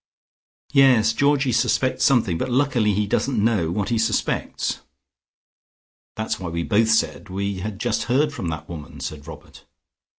Yes, Georgie suspects something, but luckily he doesn't know what he suspects." "That's why we both said we had just heard from that woman," said Robert.